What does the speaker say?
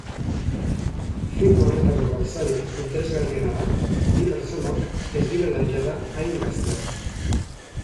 Film horretako gauzarik interesgarriena da bi pertsonok ez direla jada hain gazteak.